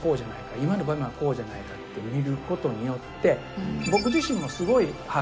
「今の場面はこうじゃないか」って見ることによってあれ？